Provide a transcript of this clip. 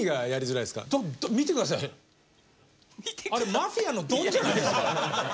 マフィアのドンじゃないですか。